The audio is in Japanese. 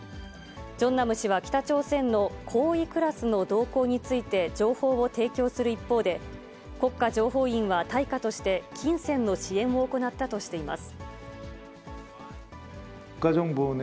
ジョンナム氏は北朝鮮の高位クラスの動向について情報を提供する一方で、国家情報院は対価として金銭の支援を行ったとしています。